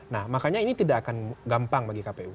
nah makanya ini tidak akan gampang bagi kpu